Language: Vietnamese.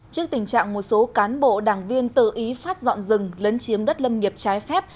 trước tình trạng một số cán bộ đảng viên tự ý phát dọn rừng lấn chiếm đất lâm nghiệp trái phép